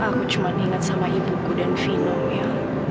aku cuma diingat sama ibuku dan vino ya